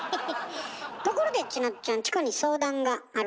ところでちなっちゃんチコに相談があるらしいわね。